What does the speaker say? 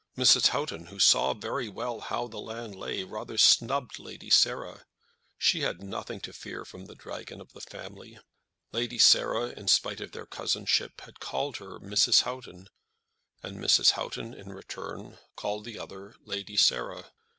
Mrs. Houghton, who saw very well how the land lay, rather snubbed Lady Sarah. She had nothing to fear from the dragon of the family. Lady Sarah, in spite of their cousinship, had called her Mrs. Houghton, and Mrs. Houghton, in return, called the other Lady Sarah.